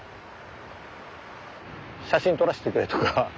写真撮らせてくれとか。